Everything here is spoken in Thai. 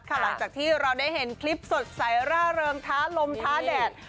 หลังจากที่เราได้เห็นคลิปสดใสร่าเริงท้าลมท้าแดด